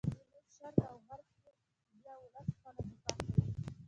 په جنوب شرق او غرب کې بیا ولس په خپله دفاع کوي.